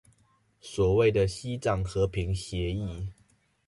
所謂的西藏和平協議